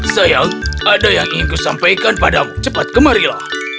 sayang ada yang ingin kusampaikan padamu cepat kemarilah